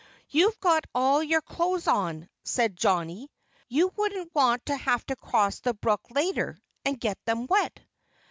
"You've got all your clothes on," said Johnnie. "You wouldn't want to have to cross the brook, later, and get them wet."